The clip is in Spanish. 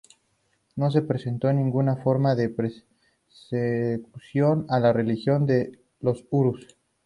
No se presentó ninguna forma de persecución a la religión de los urus.